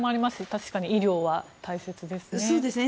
確かに医療は大切ですね。